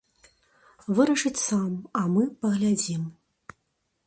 Вырашыць сам, а мы паглядзім.